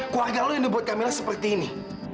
keluarga kamu yang membuat kamila seperti ini